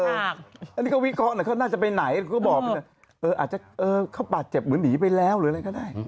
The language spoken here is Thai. อันนี้ก็วิเคราะห์หน่อยเขาน่าจะไปไหนก็บอกอาจจะเขาบาดเจ็บเหมือนหนีไปแล้วหรืออะไรก็ได้